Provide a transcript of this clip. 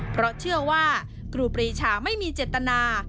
เพราะเชื่อว่าครูปรีชาไม่มีเจตนา